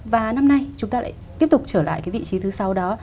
và năm nay chúng ta lại tiếp tục trở lại cái vị trí thứ sáu đó